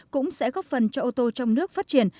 cũng sẽ góp phần cho ô tô trong nước phát triển